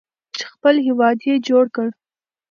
چې خپل هیواد یې جوړ کړ.